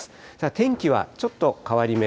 天気はちょっと変わり目。